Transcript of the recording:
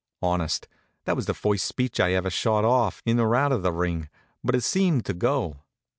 Honest, that was the first speech I ever shot off, in or out of the ring, but it seemed to go.